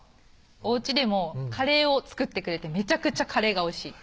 おうちでもカレーを作ってくれてめちゃくちゃカレーがおいしい